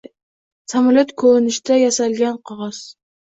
• Samolyot ko‘rinishida yasalgan qog‘oz